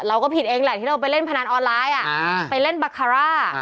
เราก็ผิดเองแหละที่เราไปเล่นพนันออนไลน์ไปเล่นบาคาร่า